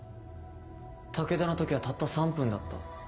武田の時はたった３分だった。